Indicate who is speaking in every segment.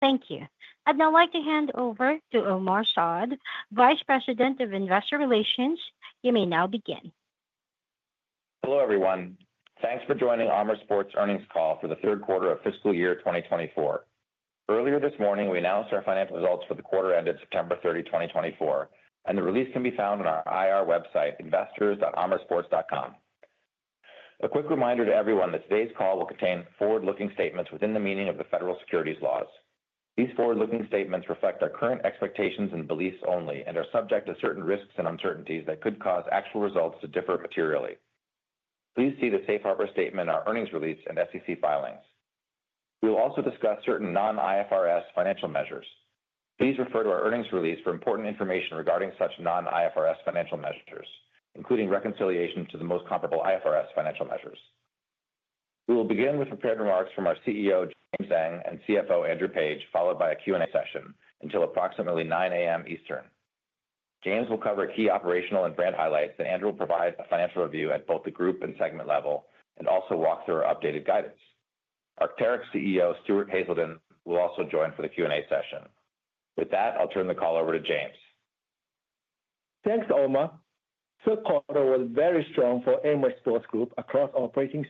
Speaker 1: Thank you. I'd now like to hand over to Omar Saad, Vice President of Investor Relations. You may now begin.
Speaker 2: Hello everyone. Thanks for joining Amer Sports' earnings call for the third quarter of fiscal year 2024. Earlier this morning, we announced our financial results for the quarter ended September 30, 2024, and the release can be found on our IR website, investors.amersports.com. A quick reminder to everyone that today's call will contain forward-looking statements within the meaning of the federal securities laws. These forward-looking statements reflect our current expectations and beliefs only and are subject to certain risks and uncertainties that could cause actual results to differ materially. Please see the Safe Harbor statement in our earnings release and SEC filings. We will also discuss certain non-IFRS financial measures. Please refer to our earnings release for important information regarding such non-IFRS financial measures, including reconciliation to the most comparable IFRS financial measures. We will begin with prepared remarks from our CEO, James Zheng, and CFO, Andrew Page, followed by a Q&A session until approximately 9:00 A.M. Eastern. James will cover key operational and brand highlights, and Andrew will provide a financial review at both the group and segment level and also walk through our updated guidance. Arc'teryx CEO, Stuart Haselden, will also join for the Q&A session. With that, I'll turn the call over to James.
Speaker 3: Thanks, Omar. Third quarter was very strong for Amer Sports across operating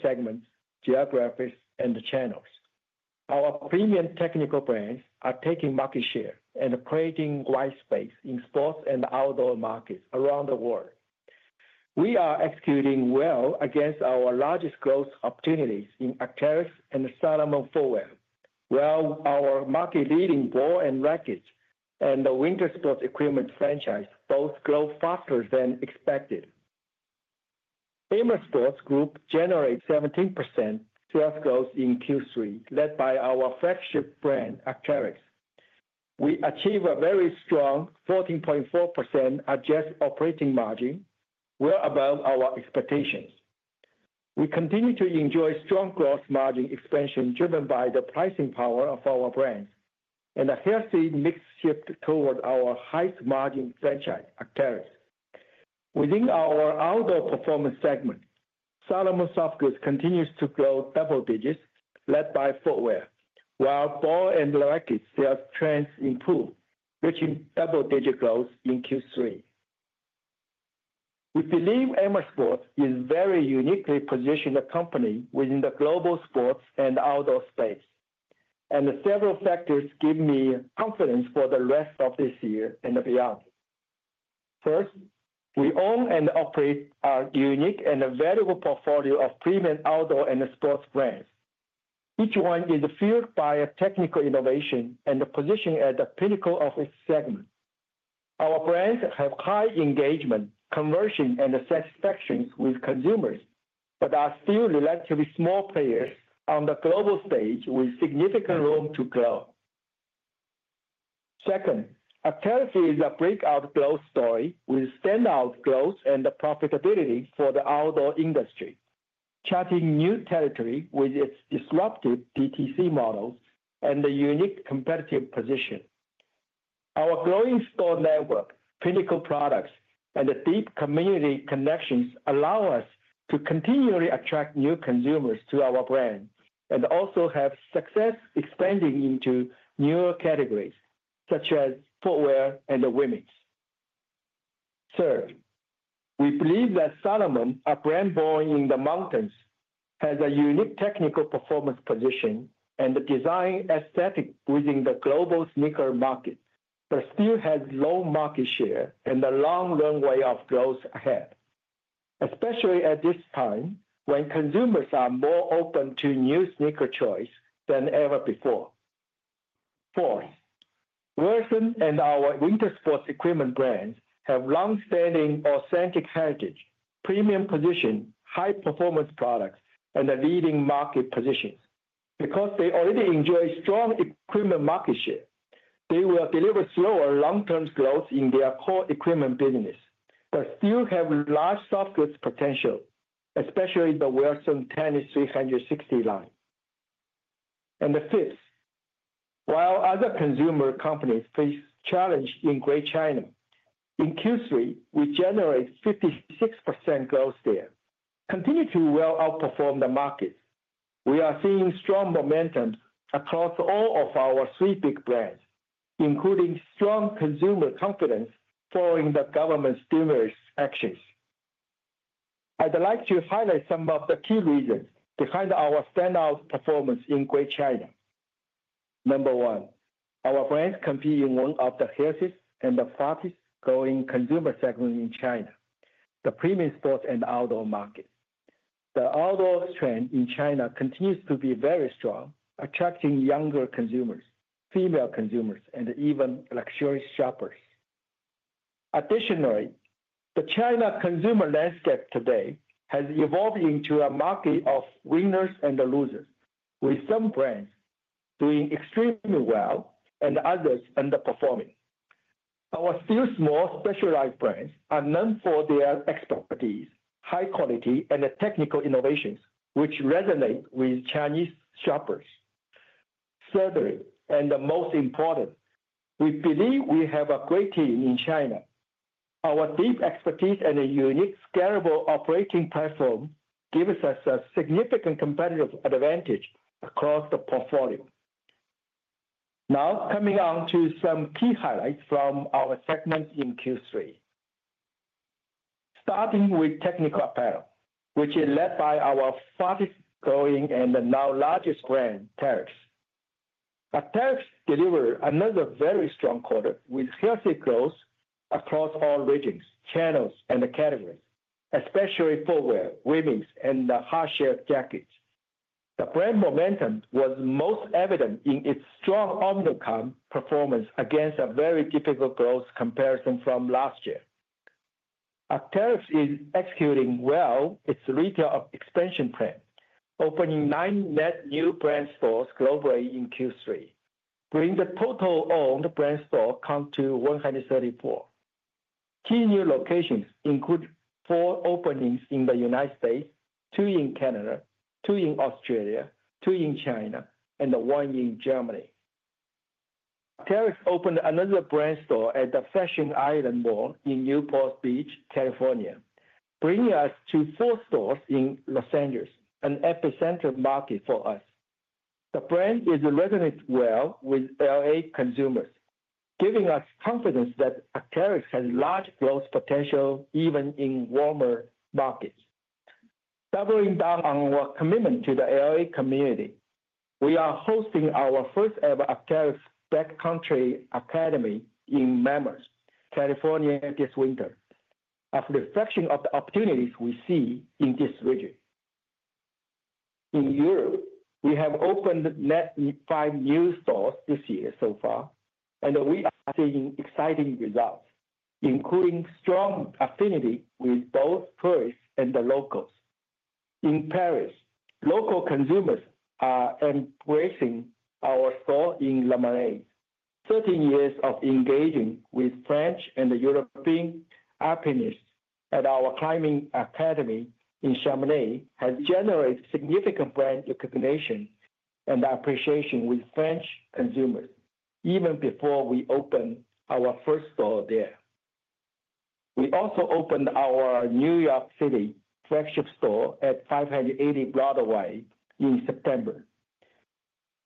Speaker 3: segments, geographies, and channels. Our premium technical brands are taking market share and creating widespread success in sports and outdoor markets around the world. We are executing well against our largest growth opportunities in Arc'teryx and Salomon, Wilson, while our market-leading ball and rackets and the winter sports equipment franchise both grow faster than expected. Amer Sports generates 17% sales growth in Q3, led by our flagship brand, Arc'teryx. We achieve a very strong 14.4% adjusted operating margin, well above our expectations. We continue to enjoy strong gross margin expansion driven by the pricing power of our brands and a healthy mix shift toward our highest margin franchise, Arc'teryx. Within our outdoor performance segment, Salomon soft goods continues to grow double digits, led by footwear, while ball and racket sales trends improve, reaching double-digit growth in Q3. We believe Amer Sports is a very uniquely positioned company within the global sports and outdoor space, and several factors give me confidence for the rest of this year and beyond. First, we own and operate a unique and valuable portfolio of premium outdoor and sports brands. Each one is fueled by technical innovation and positioned at the pinnacle of its segment. Our brands have high engagement, conversion, and satisfaction with consumers, but are still relatively small players on the global stage with significant room to grow. Second, Arc'teryx is a breakout growth story with standout growth and profitability for the outdoor industry, charting new territory with its disruptive DTC models and a unique competitive position. Our growing store network, pinnacle products, and deep community connections allow us to continually attract new consumers to our brand and also have success expanding into newer categories such as footwear and women. Third, we believe that Salomon, a brand born in the mountains, has a unique technical performance position and a design aesthetic within the global sneaker market, but still has low market share and a long runway of growth ahead, especially at this time when consumers are more open to new sneaker choices than ever before. Fourth, Wilson and our winter sports equipment brands have long-standing authentic heritage, premium position, high-performance products, and leading market positions. Because they already enjoy strong equipment market share, they will deliver slower long-term growth in their core equipment business, but still have large soft goods potential, especially the Wilson Tennis 360 line. Fifth, while other consumer companies face challenges in Greater China, in Q3, we generated 56% growth there, continuing to well outperform the market. We are seeing strong momentum across all of our three big brands, including strong consumer confidence following the government's stimulus actions. I'd like to highlight some of the key reasons behind our standout performance in Greater China. Number one, our brands compete in one of the healthiest and the fastest-growing consumer segments in China, the premium sports and outdoor markets. The outdoor trend in China continues to be very strong, attracting younger consumers, female consumers, and even luxury shoppers. Additionally, the China consumer landscape today has evolved into a market of winners and losers, with some brands doing extremely well and others underperforming. Our still small specialized brands are known for their expertise, high quality, and technical innovations, which resonate with Chinese shoppers. Thirdly, and the most important, we believe we have a great team in China. Our deep expertise and a unique scalable operating platform give us a significant competitive advantage across the portfolio. Now, coming on to some key highlights from our segment in Q3, starting with technical apparel, which is led by our fastest-growing and now largest brand, Arc'teryx. Arc'teryx delivered another very strong quarter with healthy growth across all regions, channels, and categories, especially footwear, women, and hard-shelled jackets. The brand momentum was most evident in its strong omni-comp performance against a very difficult growth comparison from last year. Arc'teryx is executing well its retail expansion plan, opening nine net new brand stores globally in Q3, bringing the total owned brand store count to 134. Key new locations include four openings in the United States, two in Canada, two in Australia, two in China, and one in Germany. Arc'teryx opened another brand store at the Fashion Island Mall in Newport Beach, California, bringing us to four stores in Los Angeles, an epicenter market for us. The brand is resonating well with LA consumers, giving us confidence that Arc'teryx has large growth potential even in warmer markets. Doubling down on our commitment to the LA community, we are hosting our first-ever Arc'teryx backcountry academy in Mammoth, California this winter, a reflection of the opportunities we see in this region. In Europe, we have opened net five new stores this year so far, and we are seeing exciting results, including strong affinity with both tourists and the locals. In Paris, local consumers are embracing our store in Le Marais. 13 years of engaging with French and European apprentices at our climbing academy in Chamonix has generated significant brand recognition and appreciation with French consumers, even before we opened our first store there. We also opened our New York City flagship store at 580 Broadway in September.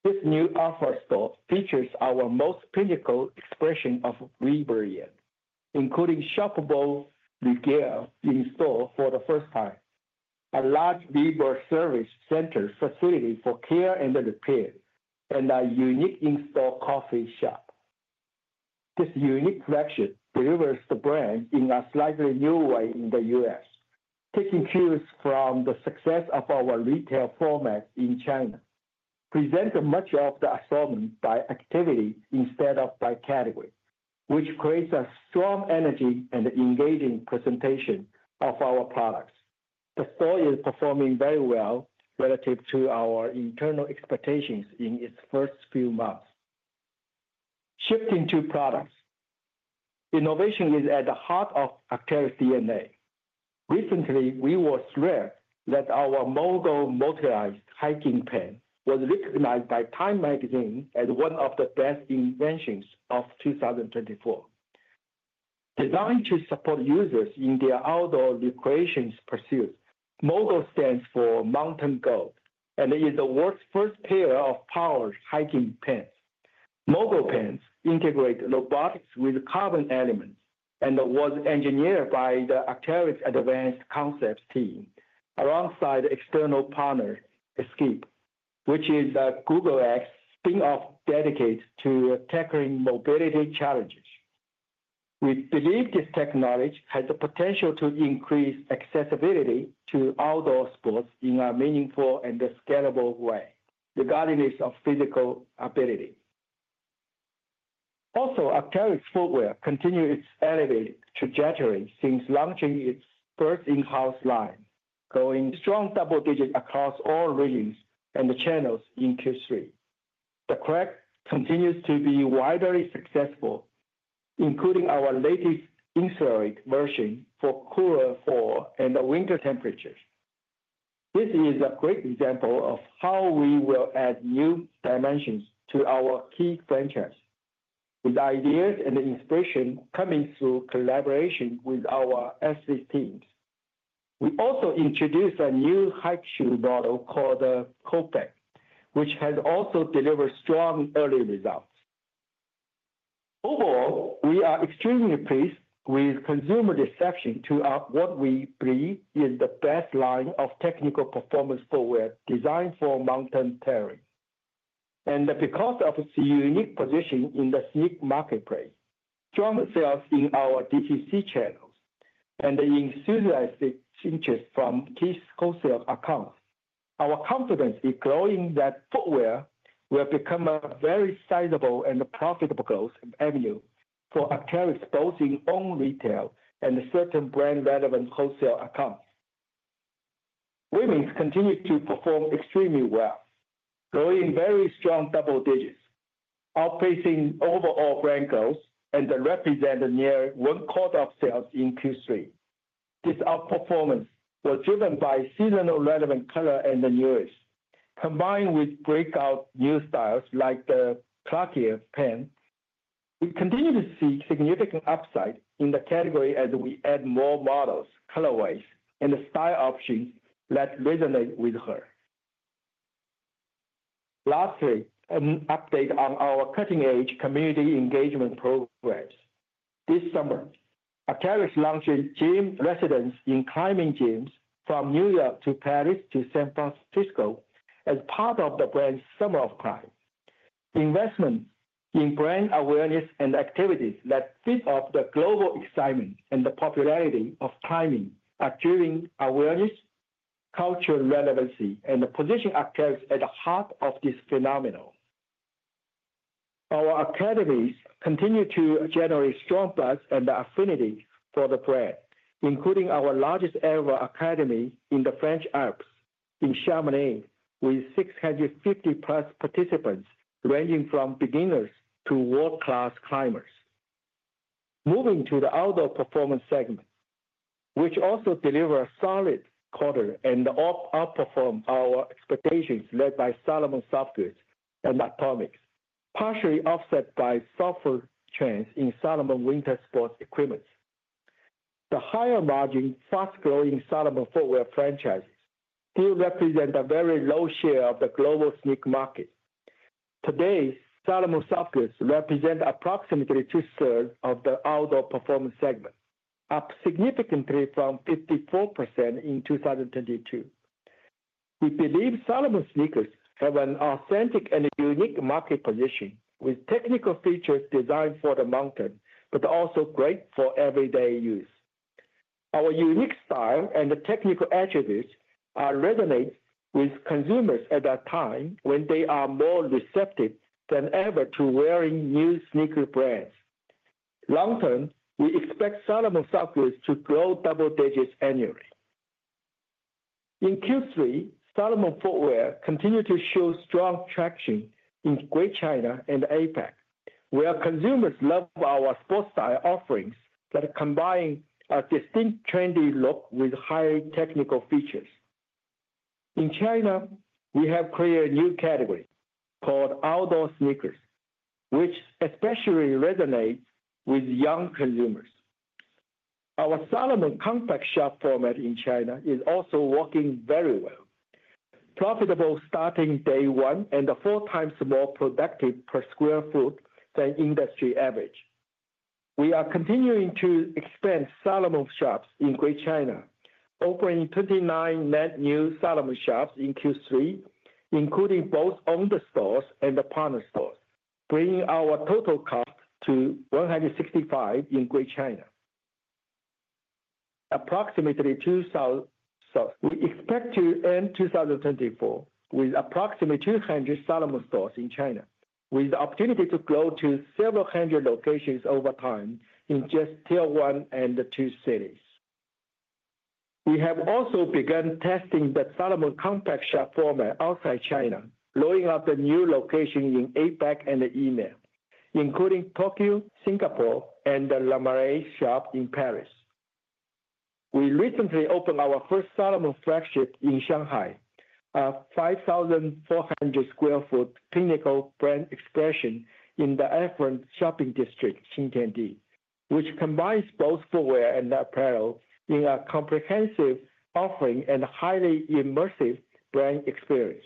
Speaker 3: This new outdoor store features our most pinnacle expression of ReBIRD, including shoppable ReGEAR in store for the first time, a large ReBIRD Service Center facility for care and repair, and a unique in-store coffee shop. This unique collection delivers the brand in a slightly new way in the U.S., taking cues from the success of our retail format in China, presenting much of the assortment by activity instead of by category, which creates a strong energy and engaging presentation of our products. The store is performing very well relative to our internal expectations in its first few months. Shifting to products, innovation is at the heart of Arc'teryx's DNA. Recently, we were thrilled that our MO/GO motorized hiking pant was recognized by Time Magazine as one of the best inventions of 2024. Designed to support users in their outdoor recreation pursuits, MO/GO stands for Mountain Goat and is the world's first pair of powered hiking pants. MO/GO pants integrate robotics with carbon elements and were engineered by the Arc'teryx Advanced Concepts team alongside external partner Skip, which is a Google X spin-off dedicated to tackling mobility challenges. We believe this technology has the potential to increase accessibility to outdoor sports in a meaningful and scalable way, regardless of physical ability. Also, Arc'teryx footwear continues its elevated trajectory since launching its first in-house line, going strong double digits across all regions and channels in Q3. The Kragg continues to be widely successful, including our latest insulated version for cooler fall and winter temperatures. This is a great example of how we will add new dimensions to our key franchise, with ideas and inspiration coming through collaboration with our R&D teams. We also introduced a new hike shoe model called the Kopec, which has also delivered strong early results. Overall, we are extremely pleased with consumer reception to what we believe is the best line of technical performance footwear designed for mountain terrain. And because of its unique position in the sneaker marketplace, strong sales in our DTC channels, and reorders from key wholesale accounts, our confidence is growing that footwear will become a very sizable and profitable growth avenue for Arc'teryx both in own retail and certain brand-relevant wholesale accounts. Women continue to perform extremely well, growing very strong double digits, outpacing overall brand growth and representing near one quarter of sales in Q3. This outperformance was driven by seasonal relevant color and news, combined with breakout new styles like the Kallen Pant. We continue to see significant upside in the category as we add more models, colorways, and style options that resonate with her. Lastly, an update on our cutting-edge community engagement programs. This summer, Arc'teryx launched gym residencies in climbing gyms from New York to Paris to San Francisco as part of the brand's Summer of Climb. Investment in brand awareness and activities that feed off the global excitement and the popularity of climbing have driven awareness, cultural relevance, and positioned Arc'teryx at the heart of this phenomenon. Our academies continue to generate strong buzz and affinity for the brand, including our largest-ever academy in the French Alps in Chamonix, with 650-plus participants ranging from beginners to world-class climbers. Moving to the outdoor performance segment, which also delivers a solid quarter and outperforms our expectations led by Salomon soft goods and Atomic, partially offset by softer trends in Salomon winter sports equipment. The higher-margin, fast-growing Salomon footwear franchises still represent a very low share of the global sneaker market. Today, Salomon soft goods represents approximately two-thirds of the outdoor performance segment, up significantly from 54% in 2022. We believe Salomon sneakers have an authentic and unique market position, with technical features designed for the mountain but also great for everyday use. Our unique style and technical attributes resonate with consumers at a time when they are more receptive than ever to wearing new sneaker brands. Long term, we expect Salomon soft goods to grow double digits annually. In Q3, Salomon footwear continued to show strong traction in Greater China and APAC, where consumers love our Sportstyle offerings that combine a distinct trendy look with high technical features. In China, we have created a new category called outdoor sneakers, which especially resonates with young consumers. Our Salomon compact shop format in China is also working very well, profitable starting day one and four times more productive per sq ft than industry average. We are continuing to expand Salomon shops in Greater China, opening 29 net new Salomon shops in Q3, including both owned stores and partner stores, bringing our total count to 165 in Greater China. Approximately 2,000 stores. We expect to end 2024 with approximately 200 Salomon stores in China, with the opportunity to grow to several hundred locations over time in just Tier 1 and 2 cities. We have also begun testing the Salomon compact shop format outside China, rolling out the new locations in APAC and EMEA, including Tokyo, Singapore, and Le Marais shop in Paris. We recently opened our first Salomon flagship in Shanghai, a 5,400 sq ft pinnacle brand expression in the affluent shopping district, Xintiandi, which combines both footwear and apparel in a comprehensive offering and highly immersive brand experience.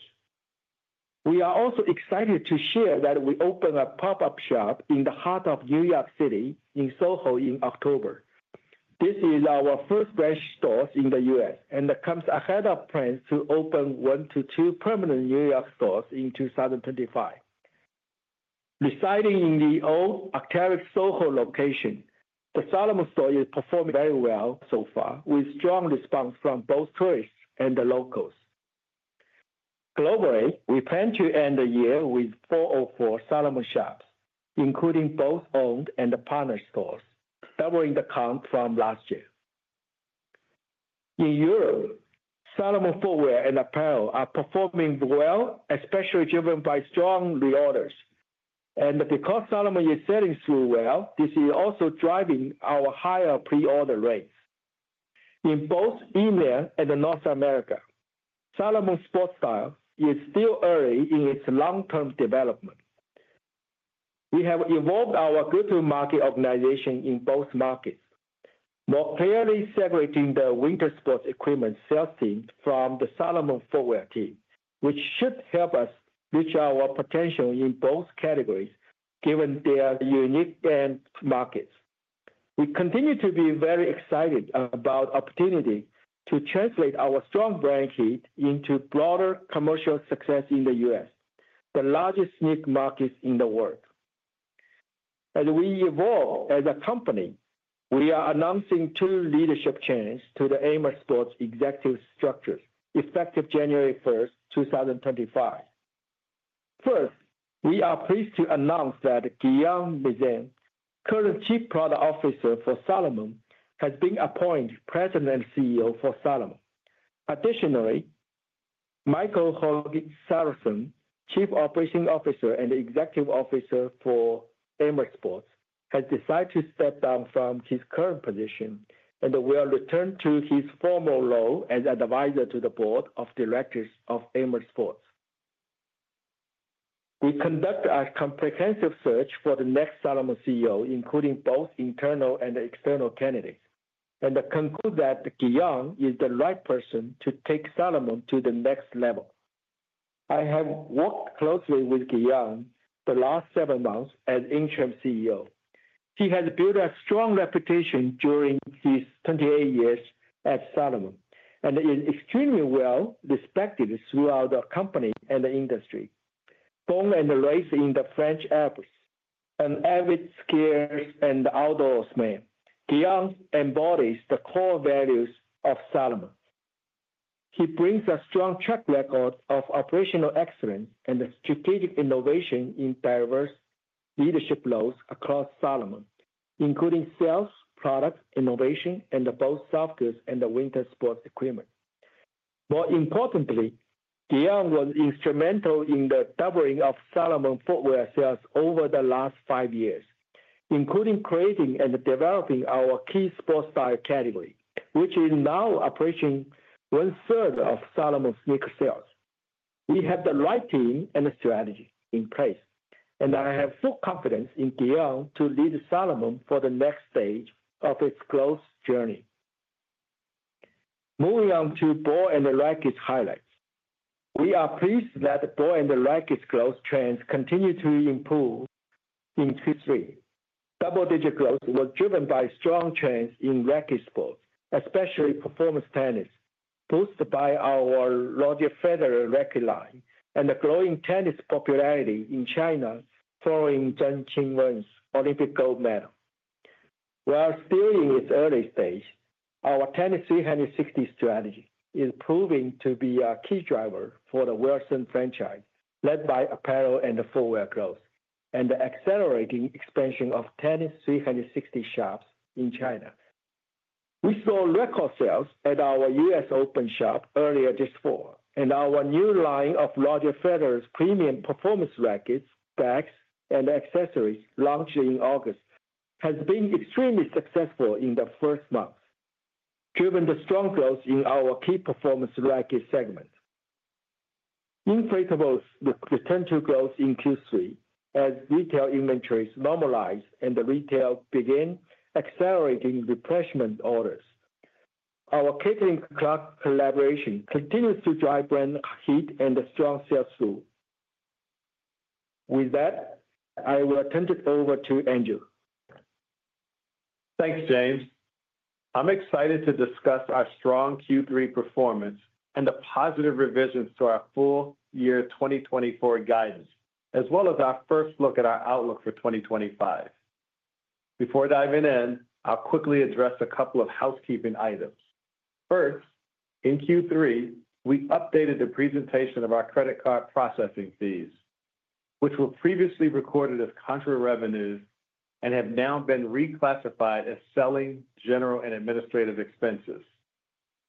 Speaker 3: We are also excited to share that we opened a pop-up shop in the heart of New York City in Soho in October. This is our first brand stores in the U.S. and comes ahead of plans to open one to two permanent New York stores in 2025. Residing in the old Arc'teryx Soho location, the Salomon store is performing very well so far, with strong response from both tourists and the locals. Globally, we plan to end the year with 404 Salomon shops, including both owned and partner stores, doubling the count from last year. In Europe, Salomon footwear and apparel are performing well, especially driven by strong reorders, and because Salomon is selling through well, this is also driving our higher pre-order rates. In both EMEA and North America, Salomon sports style is still early in its long-term development. We have evolved our go-to-market organization in both markets, more clearly separating the winter sports equipment sales team from the Salomon footwear team, which should help us reach our potential in both categories, given their unique end markets. We continue to be very excited about the opportunity to translate our strong brand hit into broader commercial success in the U.S., the largest sneaker market in the world. As we evolve as a company, we are announcing two leadership changes to the Amer Sports executive structures effective January 1, 2025. First, we are pleased to announce that Guillaume Meyzenq, current Chief Product Officer for Salomon, has been appointed President and CEO for Salomon. Additionally, Michael Hauge Sørensen, Chief Operating Officer and Executive Officer for Amer Sports, has decided to step down from his current position and will return to his former role as advisor to the Board of Directors of Amer Sports. We conducted a comprehensive search for the next Salomon CEO, including both internal and external candidates, and concluded that Guillaume is the right person to take Salomon to the next level. I have worked closely with Guillaume the last seven months as interim CEO. He has built a strong reputation during his 28 years at Salomon and is extremely well respected throughout the company and the industry. Born and raised in the French Alps, an avid skier and outdoorsman, Guillaume embodies the core values of Salomon. He brings a strong track record of operational excellence and strategic innovation in diverse leadership roles across Salomon, including sales, product innovation, and both soft goods and the winter sports equipment. More importantly, Guillaume was instrumental in the doubling of Salomon footwear sales over the last five years, including creating and developing our key sports-style category, which is now approaching one-third of Salomon sneaker sales. We have the right team and strategy in place, and I have full confidence in Guillaume to lead Salomon for the next stage of its growth journey. Moving on to ball and racket highlights, we are pleased that ball and racket growth trends continue to improve in Q3. Double-digit growth was driven by strong trends in racket sports, especially performance tennis, boosted by our Roger Federer racket line and the growing tennis popularity in China following Zheng Qinwen's Olympic gold medal. While still in its early stage, our Tennis 360 strategy is proving to be a key driver for the Wilson franchise led by apparel and footwear growth and the accelerating expansion of Tennis 360 shops in China. We saw record sales at our U.S. Open shop earlier this fall, and our new line of Roger Federer's premium performance rackets, bags, and accessories launched in August has been extremely successful in the first month, driven the strong growth in our key performance racket segment. Increasingly, the potential growth in Q3 as retail inventories normalize and the retailers begin accelerating replacement orders. Our Kith collaboration continues to drive brand heat and strong sales through. With that, I will turn it over to Andrew.
Speaker 4: Thanks, James. I'm excited to discuss our strong Q3 performance and the positive revisions to our full year 2024 guidance, as well as our first look at our outlook for 2025. Before diving in, I'll quickly address a couple of housekeeping items. First, in Q3, we updated the presentation of our credit card processing fees, which were previously recorded as contra revenues and have now been reclassified as selling, general, and administrative expenses.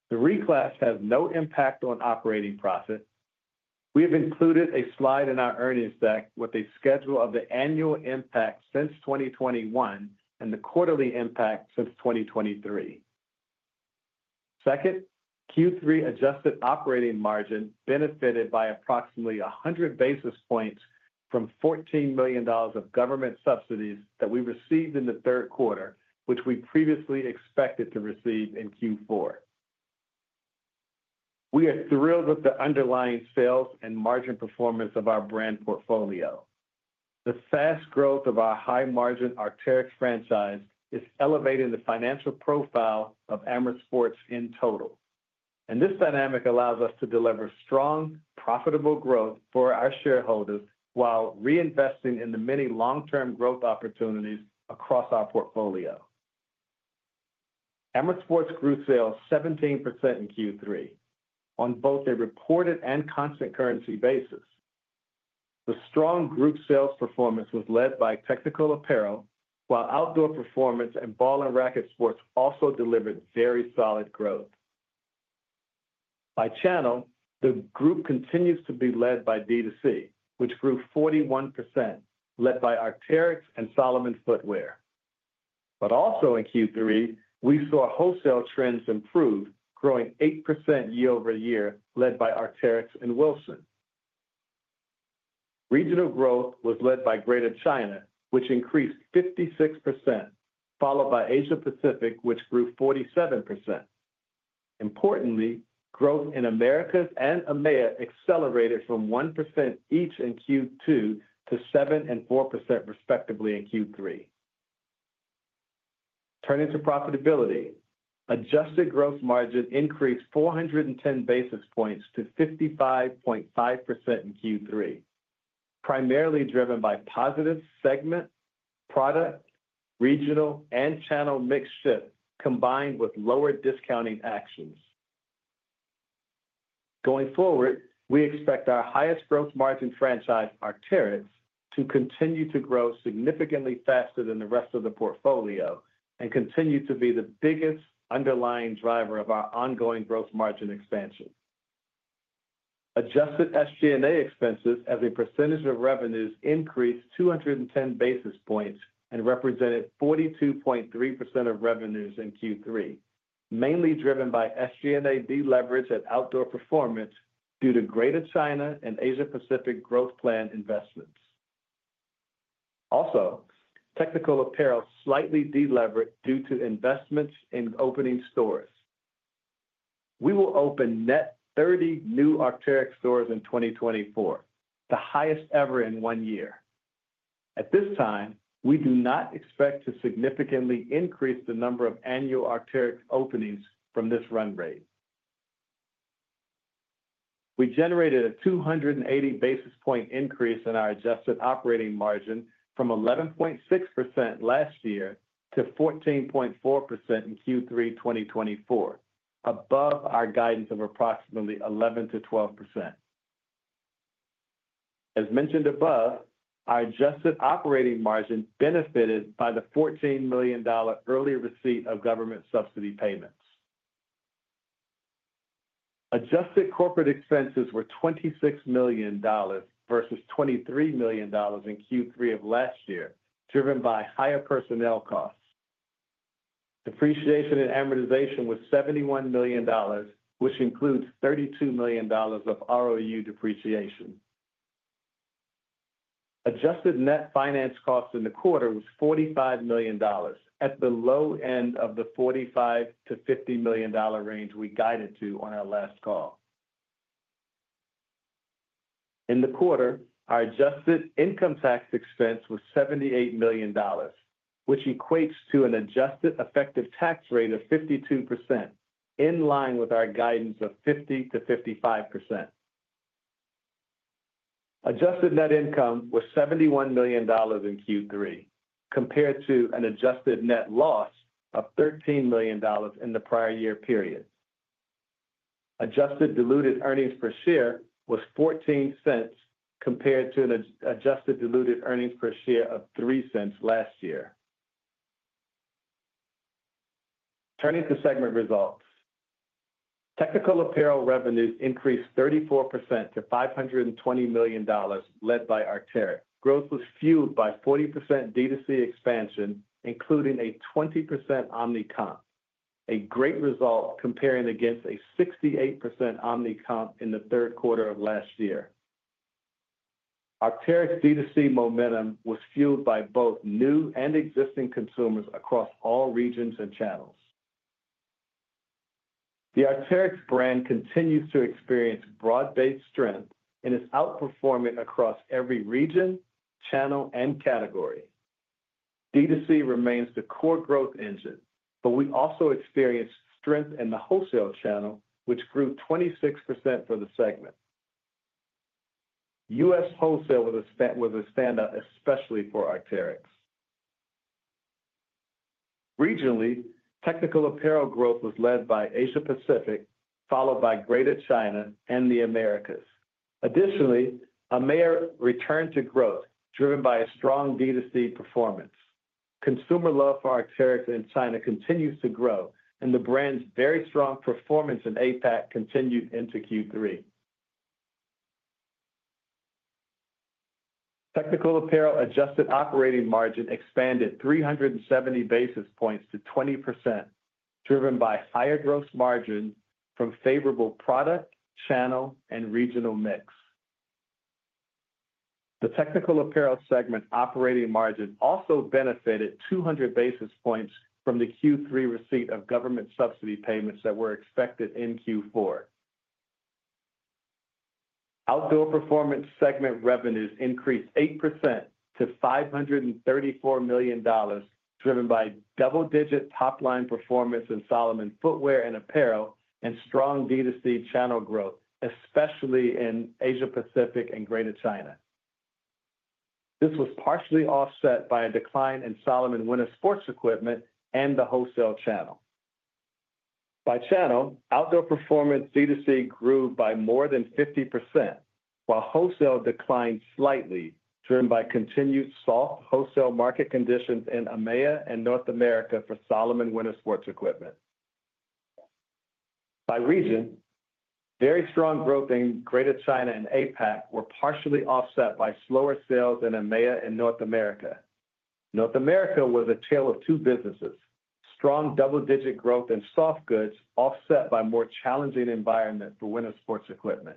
Speaker 4: The reclass has no impact on operating profit. We have included a slide in our earnings deck with a schedule of the annual impact since 2021 and the quarterly impact since 2023. Second, Q3 adjusted operating margin benefited by approximately 100 basis points from $14 million of government subsidies that we received in the third quarter, which we previously expected to receive in Q4. We are thrilled with the underlying sales and margin performance of our brand portfolio. The fast growth of our high-margin Arc'teryx franchise is elevating the financial profile of Amer Sports in total and this dynamic allows us to deliver strong, profitable growth for our shareholders while reinvesting in the many long-term growth opportunities across our portfolio. Amer Sports group sales 17% in Q3 on both a reported and constant currency basis. The strong group sales performance was led by technical apparel, while outdoor performance and ball and racket sports also delivered very solid growth. By channel, the group continues to be led by D2C, which grew 41%, led by Arc'teryx and Salomon footwear. But also in Q3, we saw wholesale trends improve, growing 8% year over year, led by Arc'teryx and Wilson. Regional growth was led by Greater China, which increased 56%, followed by Asia-Pacific, which grew 47%. Importantly, growth in Americas and EMEA accelerated from 1% each in Q2 to 7% and 4% respectively in Q3. Turning to profitability, adjusted gross margin increased 410 basis points to 55.5% in Q3, primarily driven by positive segment, product, regional, and channel mix shifts combined with lower discounting actions. Going forward, we expect our highest growth margin franchise, Arc'teryx, to continue to grow significantly faster than the rest of the portfolio and continue to be the biggest underlying driver of our ongoing growth margin expansion. Adjusted SG&A expenses as a percentage of revenues increased 210 basis points and represented 42.3% of revenues in Q3, mainly driven by SG&A deleverage at outdoor performance due to Greater China and Asia-Pacific growth plan investments. Also, technical apparel slightly deleveraged due to investments in opening stores. We will open net 30 new Arc'teryx stores in 2024, the highest ever in one year. At this time, we do not expect to significantly increase the number of annual Arc'teryx openings from this run rate. We generated a 280 basis point increase in our adjusted operating margin from 11.6% last year to 14.4% in Q3 2024, above our guidance of approximately 11% to 12%. As mentioned above, our adjusted operating margin benefited by the $14 million early receipt of government subsidy payments. Adjusted corporate expenses were $26 million versus $23 million in Q3 of last year, driven by higher personnel costs. Depreciation and amortization was $71 million, which includes $32 million of ROU depreciation. Adjusted net finance costs in the quarter was $45 million at the low end of the $45-$50 million range we guided to on our last call. In the quarter, our adjusted income tax expense was $78 million, which equates to an adjusted effective tax rate of 52%, in line with our guidance of 50%-55%. Adjusted net income was $71 million in Q3, compared to an adjusted net loss of $13 million in the prior year period. Adjusted diluted earnings per share was $0.14, compared to an adjusted diluted earnings per share of $0.03 last year. Turning to segment results, technical apparel revenues increased 34% to $520 million, led by Arc'teryx. Growth was fueled by 40% D2C expansion, including a 20% omni-comp, a great result comparing against a 68% omni-comp in the third quarter of last year. Arc'teryx D2C momentum was fueled by both new and existing consumers across all regions and channels. The Arc'teryx brand continues to experience broad-based strength and is outperforming across every region, channel, and category. D2C remains the core growth engine, but we also experienced strength in the wholesale channel, which grew 26% for the segment. U.S. wholesale was a standout, especially for Arc'teryx. Regionally, technical apparel growth was led by Asia-Pacific, followed by Greater China and the Americas. Additionally, EMEA returned to growth, driven by a strong D2C performance. Consumer love for Arc'teryx in China continues to grow, and the brand's very strong performance in APAC continued into Q3. Technical apparel adjusted operating margin expanded 370 basis points to 20%, driven by higher gross margin from favorable product, channel, and regional mix. The technical apparel segment operating margin also benefited 200 basis points from the Q3 receipt of government subsidy payments that were expected in Q4. Outdoor performance segment revenues increased 8% to $534 million, driven by double-digit top-line performance in Salomon footwear and apparel and strong D2C channel growth, especially in Asia-Pacific and Greater China. This was partially offset by a decline in Salomon winter sports equipment and the wholesale channel. By channel, outdoor performance D2C grew by more than 50%, while wholesale declined slightly, driven by continued soft wholesale market conditions in EMEA and North America for Salomon winter sports equipment. By region, very strong growth in Greater China and APAC were partially offset by slower sales in EMEA and North America. North America was a tale of two businesses: strong double-digit growth in soft goods, offset by a more challenging environment for winter sports equipment.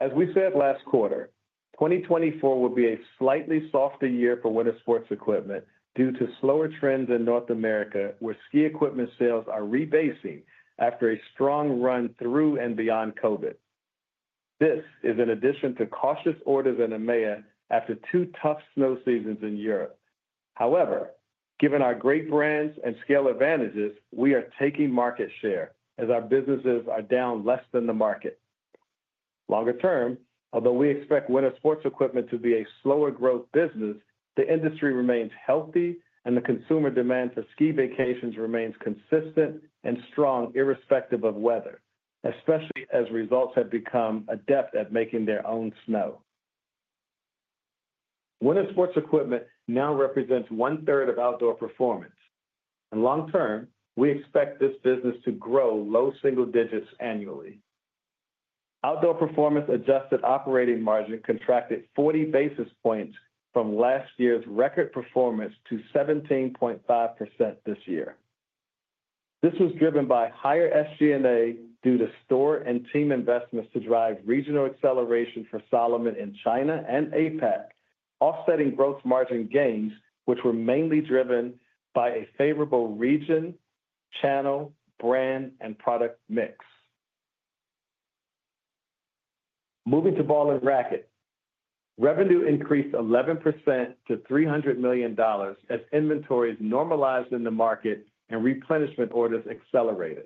Speaker 4: As we said last quarter, 2024 will be a slightly softer year for winter sports equipment due to slower trends in North America, where ski equipment sales are rebasing after a strong run through and beyond COVID. This is in addition to cautious orders in EMEA after two tough snow seasons in Europe. However, given our great brands and scale advantages, we are taking market share as our businesses are down less than the market. Longer term, although we expect winter sports equipment to be a slower growth business, the industry remains healthy, and the consumer demand for ski vacations remains consistent and strong, irrespective of weather, especially as resorts have become adept at making their own snow. Winter sports equipment now represents one-third of outdoor performance. Long term, we expect this business to grow low single digits annually. Outdoor performance adjusted operating margin contracted 40 basis points from last year's record performance to 17.5% this year. This was driven by higher SG&A due to store and team investments to drive regional acceleration for Salomon in China and APAC, offsetting growth margin gains, which were mainly driven by a favorable region, channel, brand, and product mix. Moving to ball and racket, revenue increased 11% to $300 million as inventories normalized in the market and replenishment orders accelerated.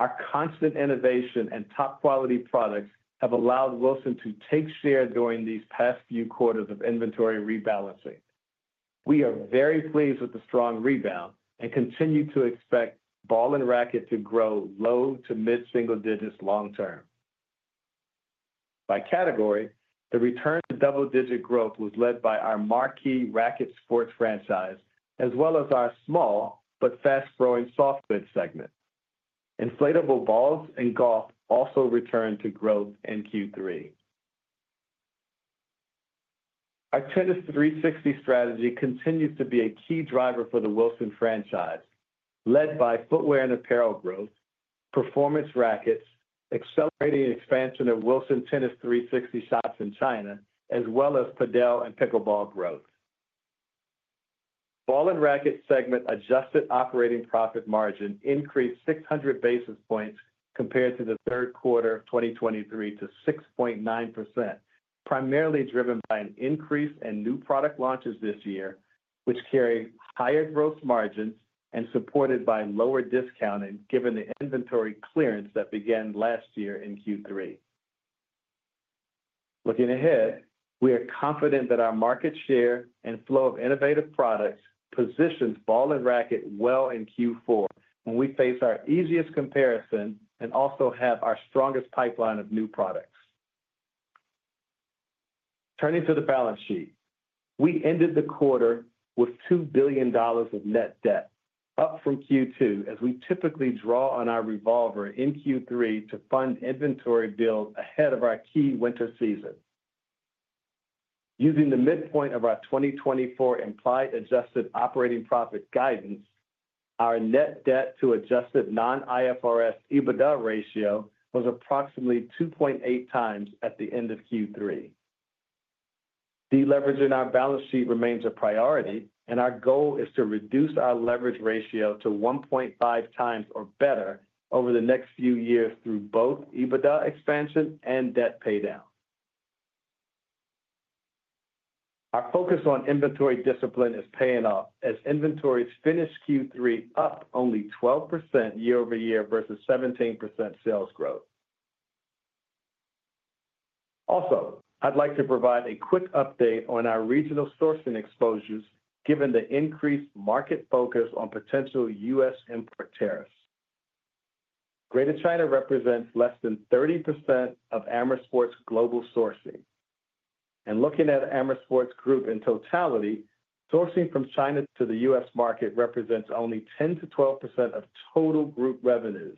Speaker 4: Our constant innovation and top-quality products have allowed Wilson to take share during these past few quarters of inventory rebalancing. We are very pleased with the strong rebound and continue to expect ball and racket to grow low to mid-single digits long term. By category, the return to double-digit growth was led by our marquee racket sports franchise, as well as our small but fast-growing soft goods segment. Inflatable balls and golf also returned to growth in Q3. Our Tennis 360 strategy continues to be a key driver for the Wilson franchise, led by footwear and apparel growth, performance rackets, accelerating expansion of Wilson Tennis 360 shops in China, as well as padel and pickleball growth. Ball and racket segment adjusted operating profit margin increased 600 basis points compared to the third quarter of 2023 to 6.9%, primarily driven by an increase in new product launches this year, which carry higher gross margins and supported by lower discounting given the inventory clearance that began last year in Q3. Looking ahead, we are confident that our market share and flow of innovative products positions ball and racket well in Q4 when we face our easiest comparison and also have our strongest pipeline of new products. Turning to the balance sheet, we ended the quarter with $2 billion of net debt, up from Q2, as we typically draw on our revolver in Q3 to fund inventory build ahead of our key winter season. Using the midpoint of our 2024 implied adjusted operating profit guidance, our net debt to adjusted non-IFRS EBITDA ratio was approximately 2.8x at the end of Q3. Deleveraging our balance sheet remains a priority, and our goal is to reduce our leverage ratio to 1.5x or better over the next few years through both EBITDA expansion and debt paydown. Our focus on inventory discipline is paying off, as inventories finished Q3 up only 12% year over year versus 17% sales growth. Also, I'd like to provide a quick update on our regional sourcing exposures, given the increased market focus on potential U.S. import tariffs. Greater China represents less than 30% of Amer Sports global sourcing, and looking at Amer Sports Group in totality, sourcing from China to the U.S. market represents only 10% to 12% of total group revenues.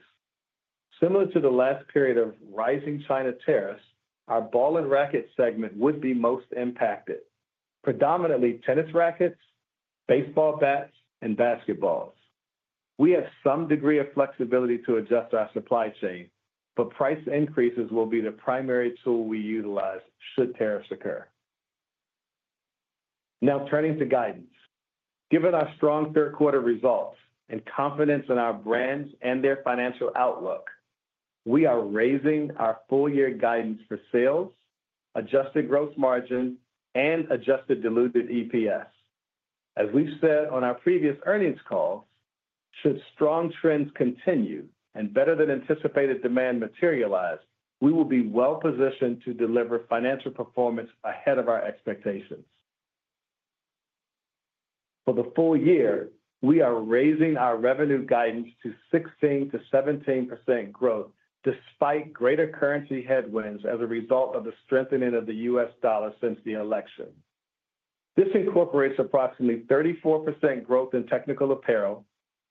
Speaker 4: Similar to the last period of rising China tariffs, our ball and racket segment would be most impacted, predominantly tennis rackets, baseball bats, and basketballs. We have some degree of flexibility to adjust our supply chain, but price increases will be the primary tool we utilize should tariffs occur. Now, turning to guidance, given our strong third quarter results and confidence in our brands and their financial outlook, we are raising our full-year guidance for sales, adjusted gross margin, and adjusted diluted EPS. As we've said on our previous earnings calls, should strong trends continue and better-than-anticipated demand materialize, we will be well-positioned to deliver financial performance ahead of our expectations. For the full year, we are raising our revenue guidance to 16%-17% growth, despite greater currency headwinds as a result of the strengthening of the U.S. dollar since the election. This incorporates approximately 34% growth in technical apparel,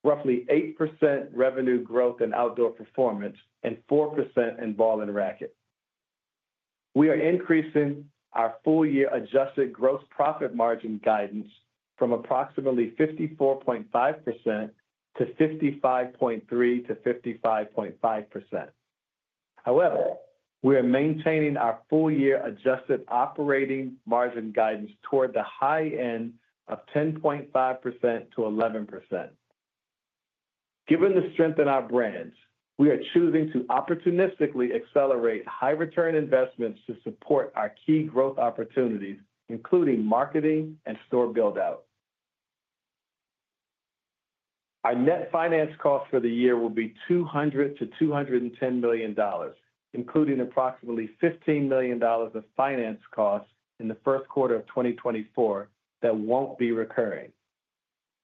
Speaker 4: roughly 8% revenue growth in outdoor performance, and 4% in ball and racket. We are increasing our full-year adjusted gross profit margin guidance from approximately 54.5% to 55.3%-55.5%. However, we are maintaining our full-year adjusted operating margin guidance toward the high end of 10.5%-11%. Given the strength in our brands, we are choosing to opportunistically accelerate high-return investments to support our key growth opportunities, including marketing and store build-out. Our net finance costs for the year will be $200 million-$210 million, including approximately $15 million of finance costs in the first quarter of 2024 that won't be recurring.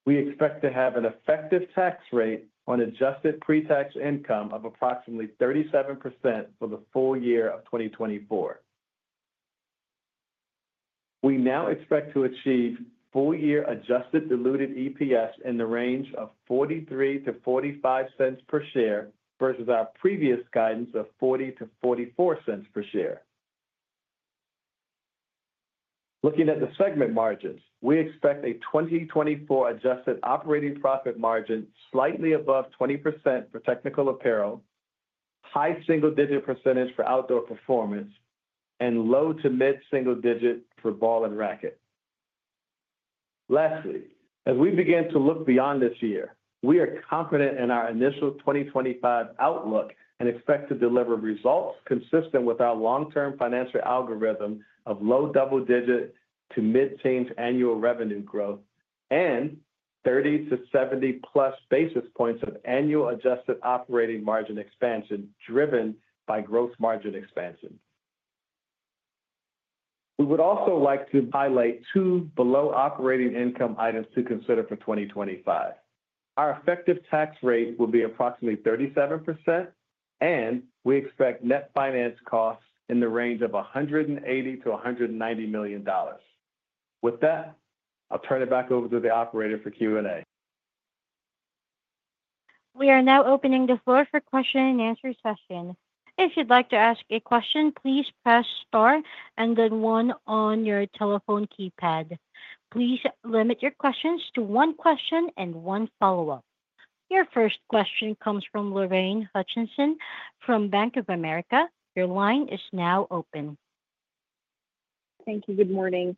Speaker 4: We expect to have an effective tax rate on adjusted pre-tax income of approximately 37% for the full year of 2024. We now expect to achieve full-year adjusted diluted EPS in the range of $0.43-$0.45 per share versus our previous guidance of $0.40-$0.44 per share. Looking at the segment margins, we expect a 2024 adjusted operating profit margin slightly above 20% for technical apparel, high single-digit % for outdoor performance, and low to mid-single-digit % for ball and racket. Lastly, as we begin to look beyond this year, we are confident in our initial 2025 outlook and expect to deliver results consistent with our long-term financial algorithm of low double-digit to mid-teens annual revenue growth and 30 to 70+ basis points of annual adjusted operating margin expansion driven by gross margin expansion. We would also like to highlight two below operating income items to consider for 2025. Our effective tax rate will be approximately 37%, and we expect net finance costs in the range of $180 million-$190 million. With that, I'll turn it back over to the operator for Q&A.
Speaker 1: We are now opening the floor for question and answer session. If you'd like to ask a question, please press star and then one on your telephone keypad. Please limit your questions to one question and one follow-up. Your first question comes from Lorraine Hutchinson from Bank of America. Your line is now open.
Speaker 5: Thank you. Good morning.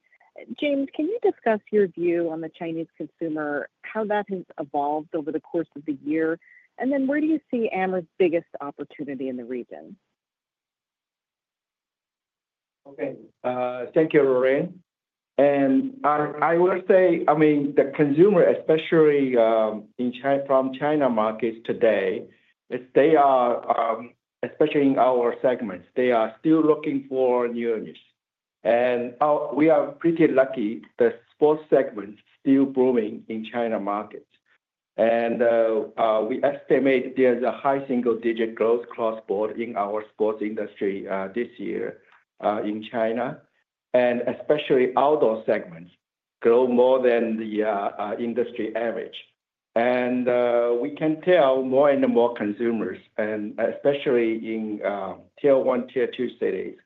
Speaker 5: James, can you discuss your view on the Chinese consumer, how that has evolved over the course of the year, and then where do you see Amer Sports' biggest opportunity in the region?
Speaker 3: Okay. Thank you, Lorraine. And I will say, I mean, the consumer, especially in Chinese markets today, they are, especially in our segments, they are still looking for newness. And we are pretty lucky the sports segment is still booming in Chinese markets. And we estimate there's a high single-digit growth across the board in our sports industry this year in China, and especially outdoor segments grow more than the industry average. And we can tell more and more consumers, and especially in tier one, tier two cities,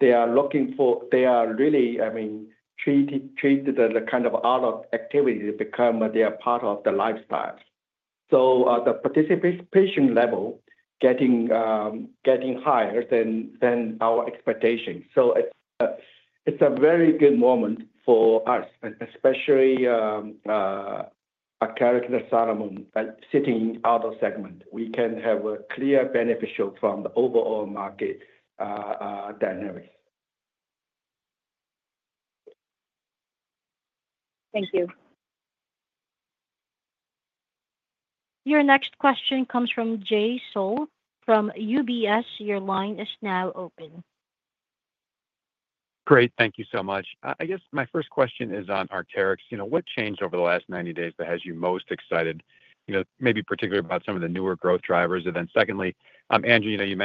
Speaker 3: they are looking for. They are really, I mean, treating it as a kind of outdoor activity because it is part of the lifestyle. So the participation level is getting higher than our expectations. So it's a very good moment for us, especially our brand, Salomon, sitting in the outdoor segment. We can have a clear benefit from the overall market dynamics.
Speaker 5: Thank you.
Speaker 1: Your next question comes from Jay Sole from UBS. Your line is now open. Great.
Speaker 6: Thank you so much. I guess my first question is on our tailwinds. What changed over the last 90 days that has you most excited, maybe particularly about some of the newer growth drivers? And then secondly, Andrew, you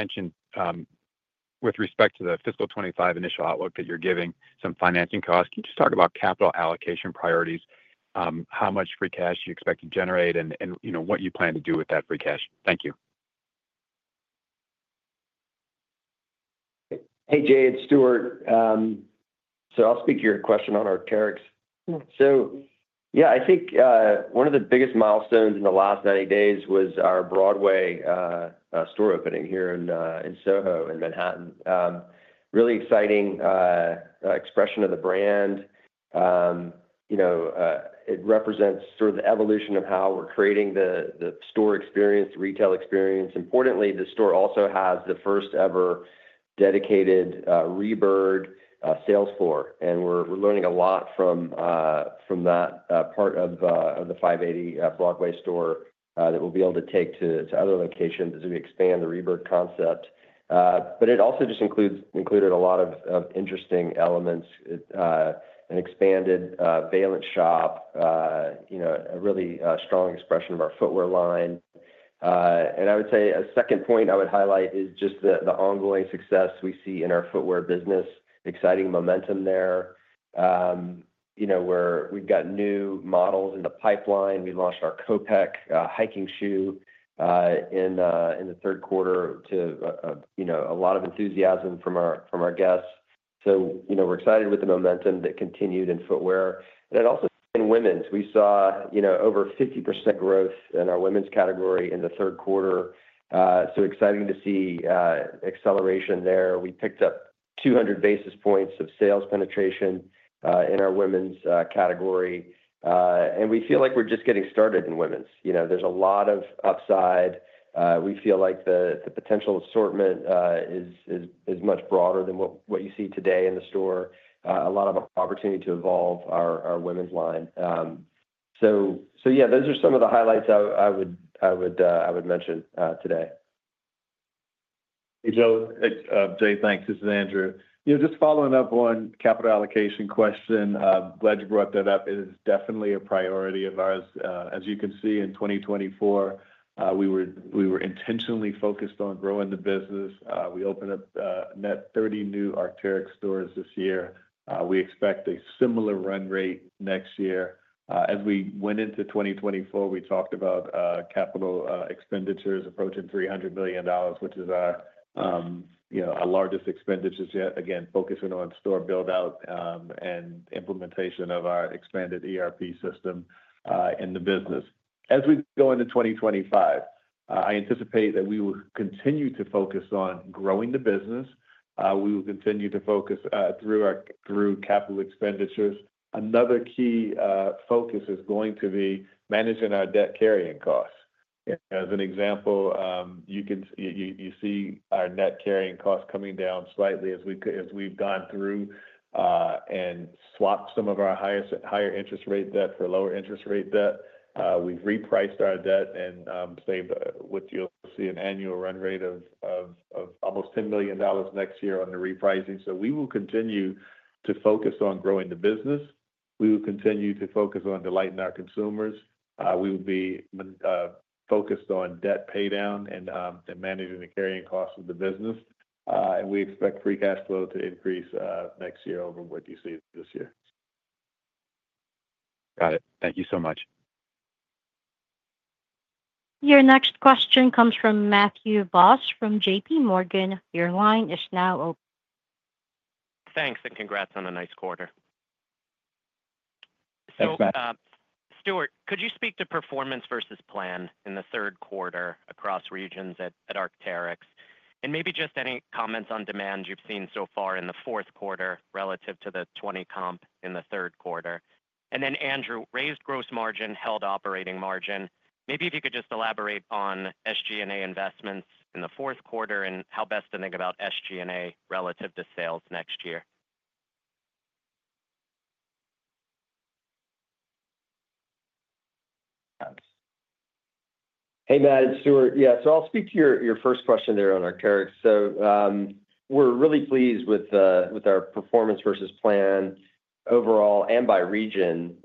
Speaker 6: mentioned with respect to the fiscal 2025 initial outlook that you're giving some financing costs. Can you just talk about capital allocation priorities, how much free cash you expect to generate, and what you plan to do with that free cash? Thank you.
Speaker 7: Hey, Jay, it's Stuart. So I'll speak to your question on our retail. So yeah, I think one of the biggest milestones in the last 90 days was our Broadway store opening here in Soho in Manhattan. Really exciting expression of the brand. It represents sort of the evolution of how we're creating the store experience, the retail experience. Importantly, the store also has the first-ever dedicated ReBIRD sales floor. And we're learning a lot from that part of the 580 Broadway store that we'll be able to take to other locations as we expand the ReBIRD concept. But it also just included a lot of interesting elements, an expanded Veilance shop, a really strong expression of our footwear line. I would say a second point I would highlight is just the ongoing success we see in our footwear business, exciting momentum there. We've got new models in the pipeline. We launched our Kopec hiking shoe in the third quarter to a lot of enthusiasm from our guests. So we're excited with the momentum that continued in footwear. And it also in women's. We saw over 50% growth in our women's category in the third quarter. So exciting to see acceleration there. We picked up 200 basis points of sales penetration in our women's category. And we feel like we're just getting started in women's. There's a lot of upside. We feel like the potential assortment is much broader than what you see today in the store. A lot of opportunity to evolve our women's line. So yeah, those are some of the highlights I would mention today.
Speaker 4: Hey, Joe. Jay, thanks. This is Andrew. Just following up on capital allocation question, glad you brought that up. It is definitely a priority of ours. As you can see, in 2024, we were intentionally focused on growing the business. We opened up net 30 new Arc'teryx stores this year. We expect a similar run rate next year. As we went into 2024, we talked about capital expenditures approaching $300 million, which is our largest expenditure yet, again, focusing on store build-out and implementation of our expanded ERP system in the business. As we go into 2025, I anticipate that we will continue to focus on growing the business. We will continue to focus through capital expenditures. Another key focus is going to be managing our debt carrying costs. As an example, you see our net carrying costs coming down slightly as we've gone through and swapped some of our higher interest rate debt for lower interest rate debt. We've repriced our debt and saved, which you'll see an annual run rate of almost $10 million next year on the repricing. So we will continue to focus on growing the business. We will continue to focus on delighting our consumers. We will be focused on debt paydown and managing the carrying costs of the business. And we expect free cash flow to increase next year over what you see this year.
Speaker 6: Got it. Thank you so much.
Speaker 1: Your next question comes from Matthew Boss from J.P. Morgan. Your line is now open.
Speaker 8: Thanks, and congrats on a nice quarter.
Speaker 7: Thanks back.
Speaker 8: Stuart, could you speak to performance versus plan in the third quarter across regions at Arc'teryx? And maybe just any comments on demands you've seen so far in the fourth quarter relative to the 20 comp in the third quarter. And then, Andrew, raised gross margin, held operating margin. Maybe if you could just elaborate on SG&A investments in the fourth quarter and how best to think about SG&A relative to sales next year.
Speaker 7: Hey, Matt. It's Stuart. Yeah. So I'll speak to your first question there on Arc'teryx. So we're really pleased with our performance versus plan overall and by region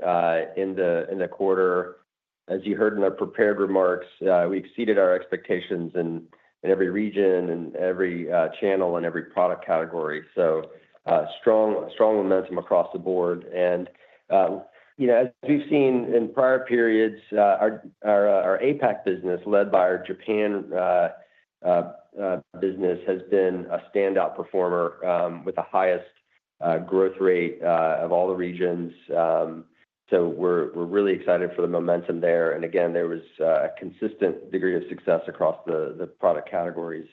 Speaker 7: in the quarter. As you heard in our prepared remarks, we exceeded our expectations in every region and every channel and every product category. So strong momentum across the board. And as we've seen in prior periods, our APAC business led by our Japan business has been a standout performer with the highest growth rate of all the regions. We're really excited for the momentum there. Again, there was a consistent degree of success across the product categories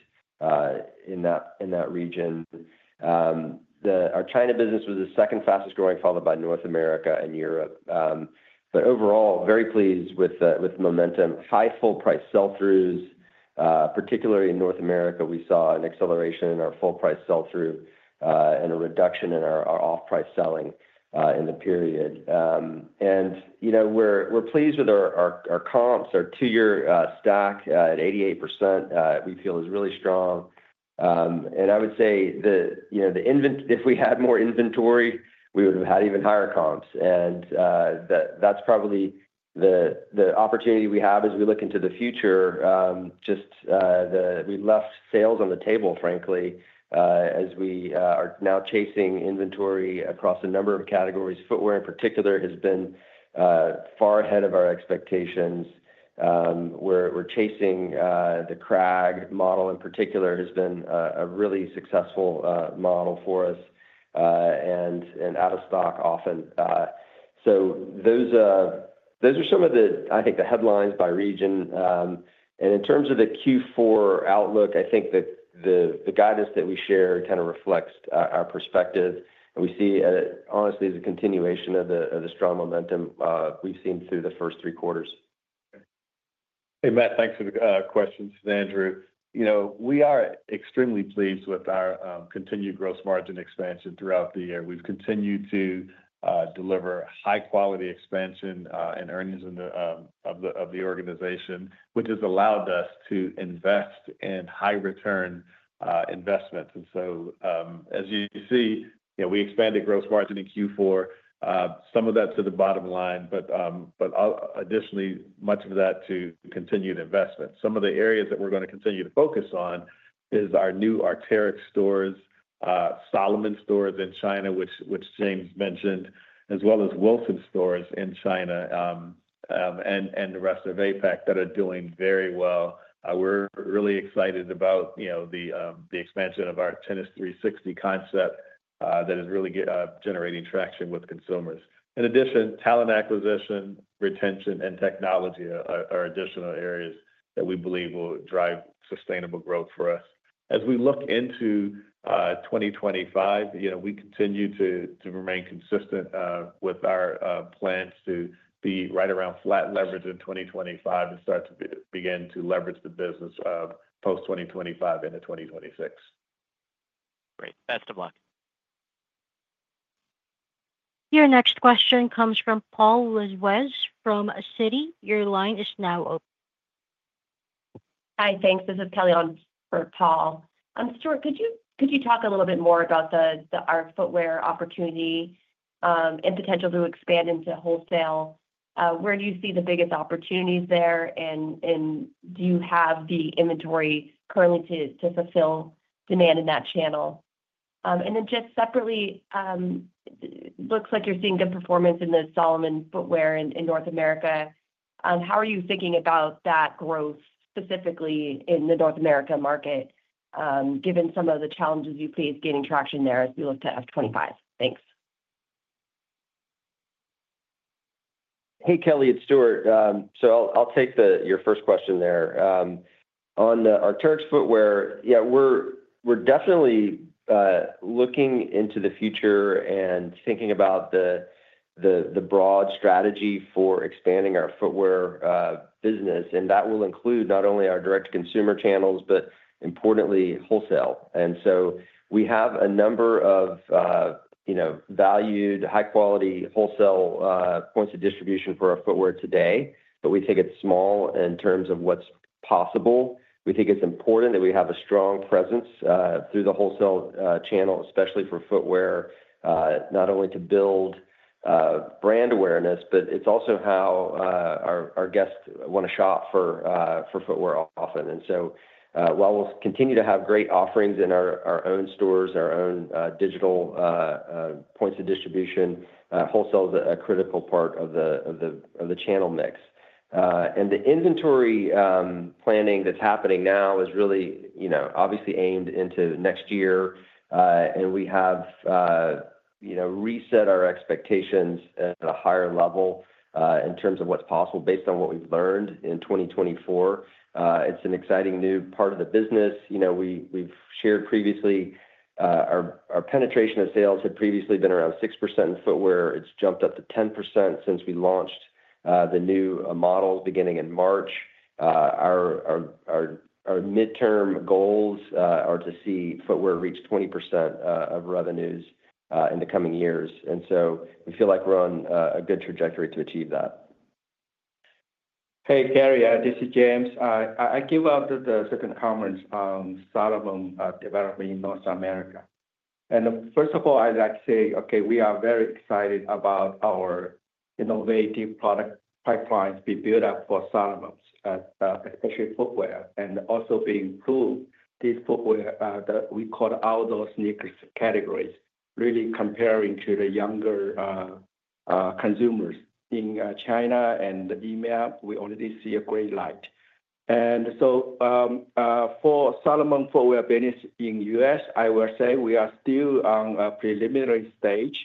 Speaker 7: in that region. Our China business was the second fastest growing, followed by North America and Europe. Overall, very pleased with momentum. High full-price sell-throughs, particularly in North America, we saw an acceleration in our full-price sell-through and a reduction in our off-price selling in the period. We're pleased with our comps. Our two-year stack at 88%, we feel, is really strong. I would say that if we had more inventory, we would have had even higher comps. That's probably the opportunity we have as we look into the future. Just we left sales on the table, frankly, as we are now chasing inventory across a number of categories. Footwear, in particular, has been far ahead of our expectations. We're chasing the Kragg model in particular has been a really successful model for us and out of stock often. So those are some of the, I think, the headlines by region. In terms of the Q4 outlook, I think that the guidance that we share kind of reflects our perspective. We see, honestly, as a continuation of the strong momentum we've seen through the first three quarters.
Speaker 4: Hey, Matt. Thanks for the questions. This is Andrew. We are extremely pleased with our continued gross margin expansion throughout the year. We've continued to deliver high-quality expansion and earnings of the organization, which has allowed us to invest in high-return investments. So as you see, we expanded gross margin in Q4, some of that to the bottom line, but additionally, much of that to continued investment. Some of the areas that we're going to continue to focus on is our new Arc'teryx stores, Salomon stores in China, which James mentioned, as well as Wilson stores in China and the rest of APAC that are doing very well. We're really excited about the expansion of our Tennis 360 concept that is really generating traction with consumers. In addition, talent acquisition, retention, and technology are additional areas that we believe will drive sustainable growth for us. As we look into 2025, we continue to remain consistent with our plans to be right around flat leverage in 2025 and start to begin to leverage the business post-2025 into 2026.
Speaker 8: Great. Best of luck.
Speaker 1: Your next question comes from Paul Lejuez from Citi. Your line is now open. Hi, thanks. This is Kelly for Paul. Stuart, could you talk a little bit more about our footwear opportunity and potential to expand into wholesale? Where do you see the biggest opportunities there? And do you have the inventory currently to fulfill demand in that channel? And then just separately, it looks like you're seeing good performance in the Salomon footwear in North America. How are you thinking about that growth specifically in the North America market, given some of the challenges you face gaining traction there as we look to F25? Thanks.
Speaker 7: Hey, Kelly, it's Stuart. So I'll take your first question there. On the Arc'teryx footwear, yeah, we're definitely looking into the future and thinking about the broad strategy for expanding our footwear business. And that will include not only our direct-to-consumer channels, but importantly, wholesale. And so we have a number of valued, high-quality wholesale points of distribution for our footwear today, but we think it's small in terms of what's possible. We think it's important that we have a strong presence through the wholesale channel, especially for footwear, not only to build brand awareness, but it's also how our guests want to shop for footwear often. And so while we'll continue to have great offerings in our own stores, our own digital points of distribution, wholesale is a critical part of the channel mix. And the inventory planning that's happening now is really obviously aimed into next year. And we have reset our expectations at a higher level in terms of what's possible based on what we've learned in 2024. It's an exciting new part of the business. We've shared previously our penetration of sales had previously been around 6% in footwear. It's jumped up to 10% since we launched the new model beginning in March. Our midterm goals are to see footwear reach 20% of revenues in the coming years. And so we feel like we're on a good trajectory to achieve that.
Speaker 3: Hey, Kelly, this is James. I give out the second comment on Salomon development in North America. And first of all, I'd like to say, okay, we are very excited about our innovative product pipelines we built up for Salomon's, especially footwear, and also being through these footwear that we call outdoor sneakers categories, really comparing to the younger consumers in China and the EMEA. We already see a great light. And so for Salomon footwear business in the U.S., I will say we are still on a preliminary stage,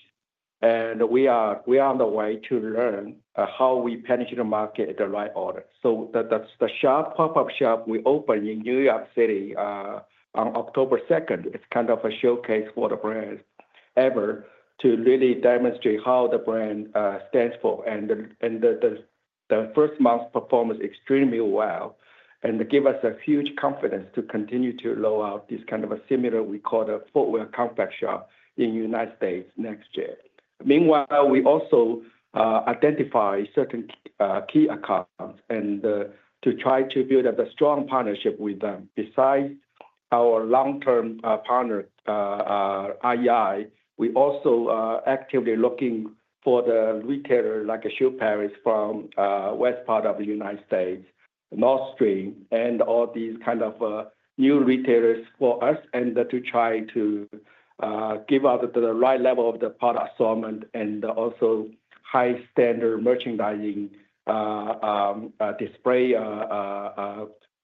Speaker 3: and we are on the way to learn how we penetrate the market in the right order. So the pop-up shop we opened in New York City on October 2nd, it's kind of a showcase for the brand ever to really demonstrate how the brand stands for. And the first month's performance is extremely well and gave us a huge confidence to continue to roll out this kind of a similar we call the footwear concept shop in the United States next year. Meanwhile, we also identify certain key accounts and to try to build up a strong partnership with them. Besides our long-term partner, REI, we also are actively looking for the retailer like Shoe Palace from the west part of the United States, Nordstrom, and all these kind of new retailers for us and to try to give out the right level of the product assortment and also high-standard merchandising display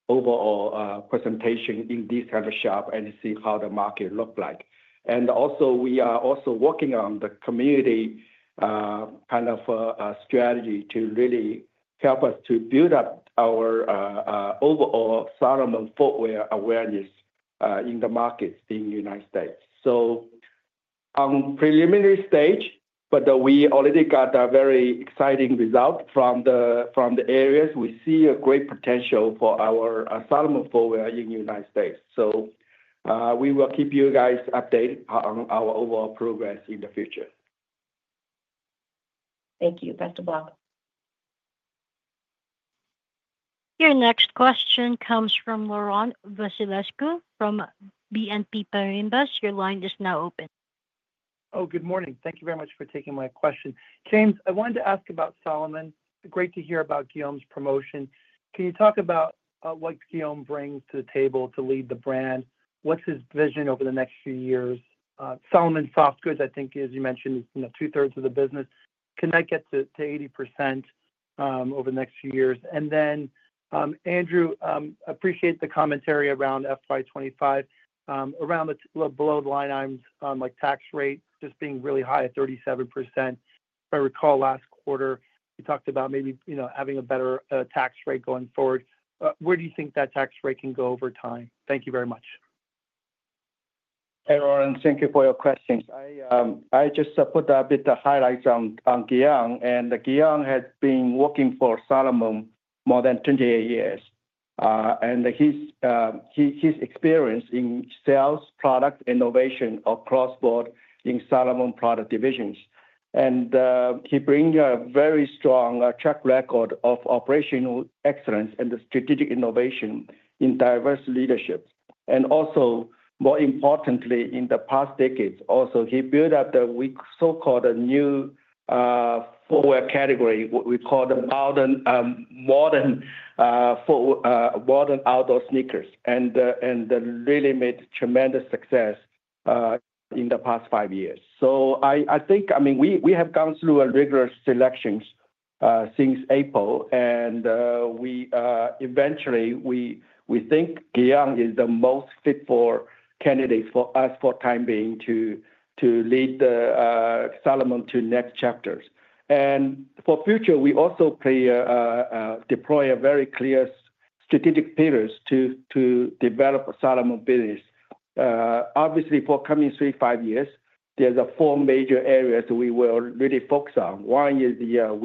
Speaker 3: overall presentation in this kind of shop and see how the market looks like, and also we are also working on the community kind of strategy to really help us to build up our overall Salomon footwear awareness in the markets in the United States, so on preliminary stage, but we already got a very exciting result from the areas. We see a great potential for our Salomon footwear in the United States, so we will keep you guys updated on our overall progress in the future. Thank you. Best of luck.
Speaker 1: Your next question comes from Laurent Vasilescu from BNP Paribas. Your line is now open.
Speaker 9: Oh, good morning. Thank you very much for taking my question. James, I wanted to ask about Salomon. Great to hear about Guillaume's promotion. Can you talk about what Guillaume brings to the table to lead the brand? What's his vision over the next few years? Salomon soft goods, I think, as you mentioned, is two-thirds of the business. Can that get to 80% over the next few years? And then, Andrew, I appreciate the commentary around FY25. Around the below-the-line items like tax rate just being really high at 37%. I recall last quarter, you talked about maybe having a better tax rate going forward. Where do you think that tax rate can go over time? Thank you very much.
Speaker 3: Hey, Laurent, thank you for your questions. I just put a bit of highlights on Guillaume. And Guillaume has been working for Salomon more than 28 years. And his experience in sales, product, innovation across the board in Salomon product divisions. And he brings a very strong track record of operational excellence and the strategic innovation in diverse leadership. And also, more importantly, in the past decades, also he built up the so-called new footwear category, what we call the modern outdoor sneakers. And really made tremendous success in the past five years. So I think, I mean, we have gone through regular selections since April. And eventually, we think Guillaume is the most fit for candidates for us for the time being to lead Salomon to next chapters. And for the future, we also deploy a very clear strategic pillars to develop a Salomon business. Obviously, for coming three, five years, there's four major areas we will really focus on. One is the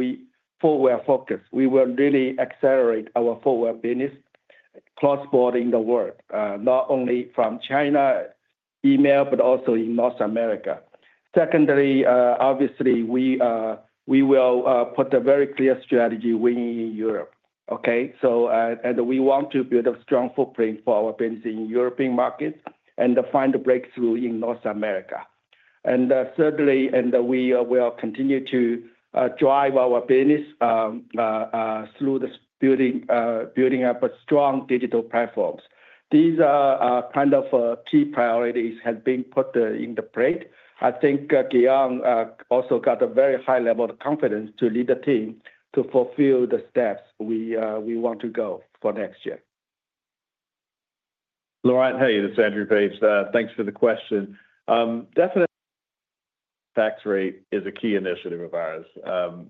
Speaker 3: footwear focus. We will really accelerate our footwear business cross-border in the world, not only from China, EMEA, but also in North America. Secondly, obviously, we will put a very clear strategy in Europe. Okay? And we want to build a strong footprint for our business in European markets and find a breakthrough in North America. And thirdly, we will continue to drive our business through building up strong digital platforms. These kind of key priorities have been put on the plate. I think Guillaume also got a very high level of confidence to lead the team to fulfill the steps we want to go for next year.
Speaker 4: Laurent, hey, this is Andrew Page. Thanks for the question. Definitely, tax rate is a key initiative of ours.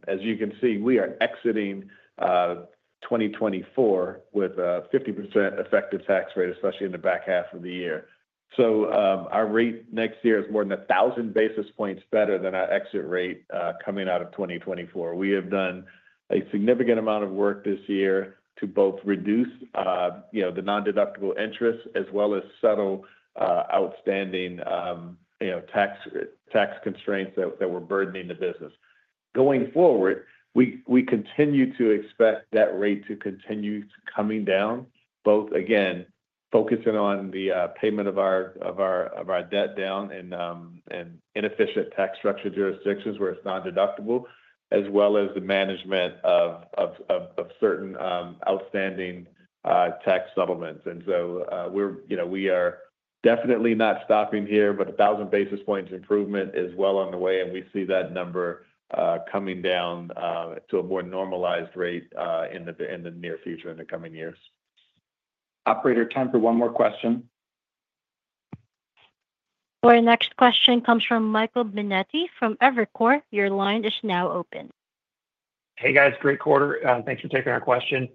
Speaker 4: As you can see, we are exiting 2024 with a 50% effective tax rate, especially in the back half of the year. So our rate next year is more than 1,000 basis points better than our exit rate coming out of 2024. We have done a significant amount of work this year to both reduce the non-deductible interest as well as settle outstanding tax constraints that were burdening the business. Going forward, we continue to expect that rate to continue coming down, both, again, focusing on the payment of our debt down and inefficient tax structure jurisdictions where it's non-deductible, as well as the management of certain outstanding tax supplements. And so we are definitely not stopping here, but 1,000 basis points improvement is well on the way. And we see that number coming down to a more normalized rate in the near future in the coming years. Operator, time for one more question.
Speaker 1: Our next question comes from Michael Binetti from Evercore. Your line is now open.
Speaker 10: Hey, guys. Great quarter. Thanks for taking our question.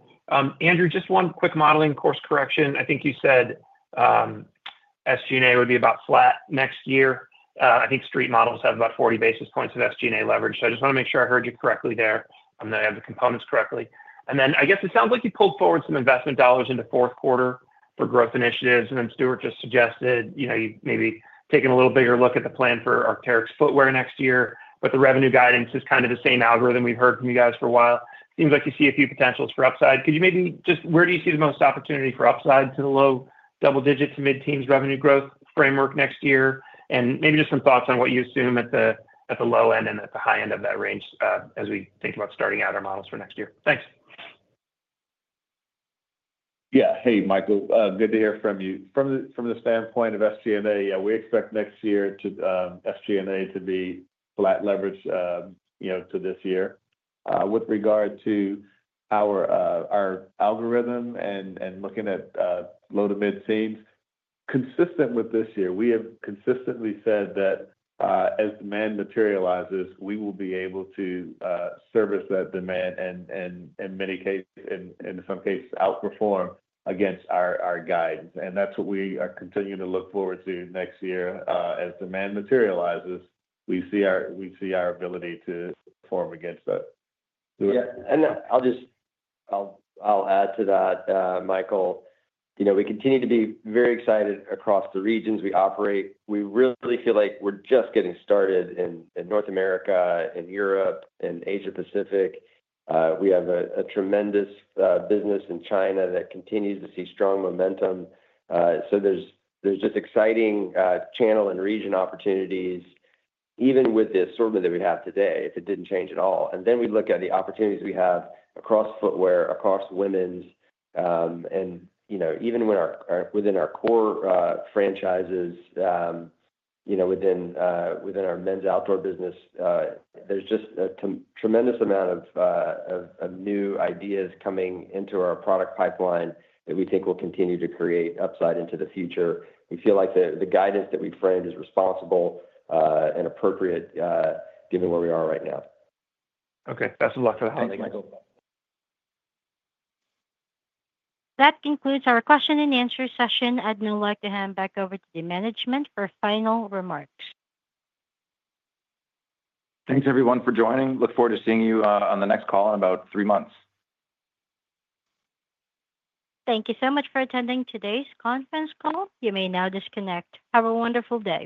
Speaker 10: Andrew, just one quick modeling course correction. I think you said SG&A would be about flat next year. I think Street models have about 40 basis points of SG&A leverage. So I just want to make sure I heard you correctly there and that I have the components correctly. And then I guess it sounds like you pulled forward some investment dollars into fourth quarter for growth initiatives. And then Stuart just suggested you maybe take a little bigger look at the plan for Arc'teryx footwear next year. But the revenue guidance is kind of the same algorithm we've heard from you guys for a while. Seems like you see a few potentials for upside. Could you maybe just where do you see the most opportunity for upside to the low double-digit to mid-teens revenue growth framework next year? And maybe just some thoughts on what you assume at the low end and at the high end of that range as we think about starting out our models for next year.
Speaker 4: Thanks. Yeah. Hey, Michael. Good to hear from you. From the standpoint of SG&A, we expect next year to SG&A to be flat leverage to this year. With regard to our algorithm and looking at low to mid-teens, consistent with this year, we have consistently said that as demand materializes, we will be able to service that demand and in some cases outperform against our guidance. And that's what we are continuing to look forward to next year. As demand materializes, we see our ability to perform against that. Yeah.
Speaker 7: And I'll add to that, Michael. We continue to be very excited across the regions we operate. We really feel like we're just getting started in North America, in Europe, in Asia-Pacific. We have a tremendous business in China that continues to see strong momentum. So there's just exciting channel and region opportunities, even with the assortment that we have today, if it didn't change at all. And then we look at the opportunities we have across footwear, across women's. And even within our core franchises, within our men's outdoor business, there's just a tremendous amount of new ideas coming into our product pipeline that we think will continue to create upside into the future. We feel like the guidance that we framed is responsible and appropriate given where we are right now.
Speaker 10: Okay.
Speaker 4: Best of luck for the holidays, Michael.
Speaker 1: That concludes our question and answer session. I'd now like to hand back over to the management for final remarks.
Speaker 7: Thanks, everyone, for joining. Look forward to seeing you on the next call in about three months.
Speaker 1: Thank you so much for attending today's conference call. You may now disconnect. Have a wonderful day.